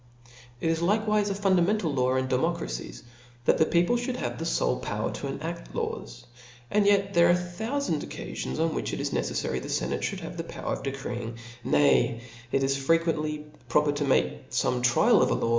It is likewife a fundamental law in democracies, that the people fhould have the fole power to enadt" laws. And yet thttt are a thoufand occafions on which it is neceffary the fenate fbotild have a power of decreeing ; nay it is frequently proper to make fome trial of a law before it is eftabli(hed.